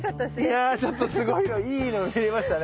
いやちょっとすごいのいいの見れましたね。